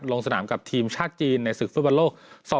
ลงสนามกับทีมชาติจีนในศึกฟุตบอลโลก๒๐